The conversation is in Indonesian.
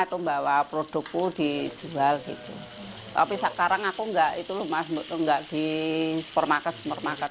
terima kasih bawa produkku dijual gitu tapi sekarang aku enggak itu mas enggak di supermarket supermarket